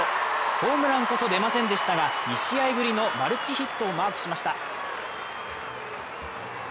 ホームランこそ出ませんでしたが、２試合ぶりのマルチヒットをマークしました。